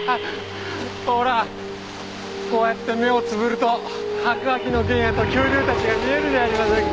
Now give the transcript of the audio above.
ほらこうやって目をつぶると白亜紀の原野と恐竜たちが見えるじゃありませんか！